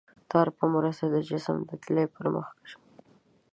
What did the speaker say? د تار په مرسته جسم د تلې پر مخ کشوي.